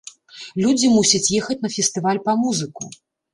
Людзі мусяць ехаць на фестываль па музыку.